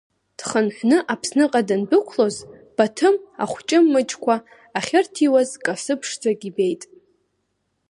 Дхынҳәны Аԥсныҟа дандәықәлоз, Баҭым ахәҷы-мыҷқәа ахьырҭиуаз касы ԥшӡак ибеит.